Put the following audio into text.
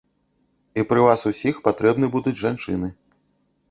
І пры вас усіх патрэбны будуць жанчыны.